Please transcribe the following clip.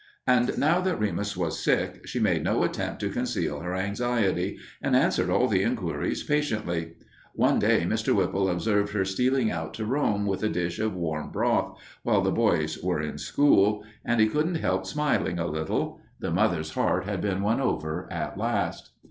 And now that Remus was sick she made no attempt to conceal her anxiety, and answered all the inquiries patiently. One day Mr. Whipple observed her stealing out to Rome with a dish of warm broth, while the boys were in school, and he couldn't help smiling a little. The mother's heart had been won over at last.